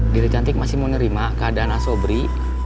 dede cantik masih mau nerima keadaan asobri